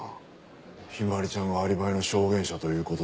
陽葵ちゃんがアリバイの証言者という事で。